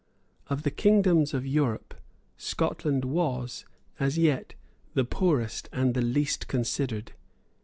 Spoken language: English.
Of the kingdoms of Europe, Scotland was, as yet, the poorest and the least considered.